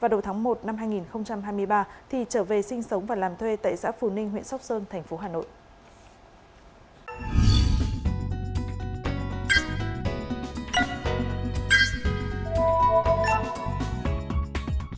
đầu tháng một năm hai nghìn hai mươi ba thì trở về sinh sống và làm thuê tại xã phù ninh huyện sóc sơn thành phố hà nội